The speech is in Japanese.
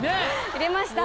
入れました。